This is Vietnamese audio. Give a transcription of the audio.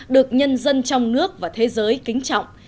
được nhân dân trong nước và thế giới kính trọng